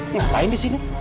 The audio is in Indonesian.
ngapain di sini